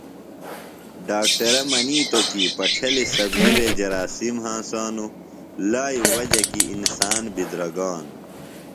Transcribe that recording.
ڈاکٹرہ منیتوۡ کیۡ پڇھلیۡ سبزیۡ وےۡ جراثیم ہنسانوۡ۔ لائیۡ وجہ کیۡ انسان بدِرگانوۡ۔